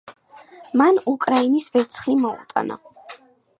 მან უკრაინას ვერცხლი მოუტანა.